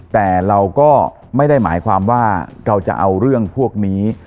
แต่เราก็ไม่ได้หมายความว่าเราจะเอาเรื่องพวกนี้